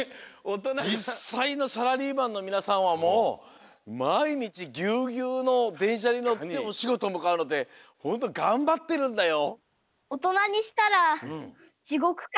じっさいのサラリーマンのみなさんはもうまいにちギュウギュウのでんしゃにのっておしごとむかうのでホントがんばってるんだよ！